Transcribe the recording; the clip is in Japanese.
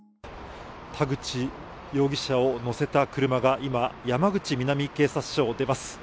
田口容疑者を乗せた車が今、山口南警察署を出ます。